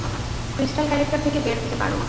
Crystal, character থেকে বের হতে পারো।